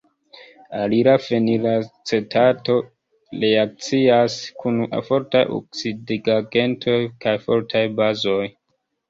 Alila fenilacetato reakcias kun fortaj oksidigagentoj kaj fortaj bazoj.